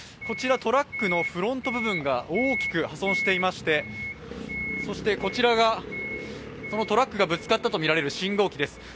こちらトラックのフロント部分が大きく破損していましてそしてこちらがそのトラックがぶつかったとみられる信号機です。